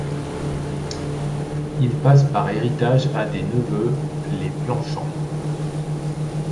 Il passe par héritage à des neveux, les Planchamps.